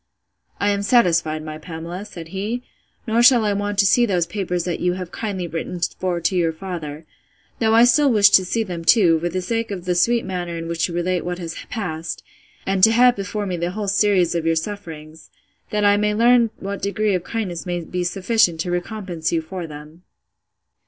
I am satisfied, my Pamela, said he; nor shall I want to see those papers that you have kindly written for to your father; though I still wish to see them too, for the sake of the sweet manner in which you relate what has passed, and to have before me the whole series of your sufferings, that I may learn what degree of kindness may be sufficient to recompense you for them.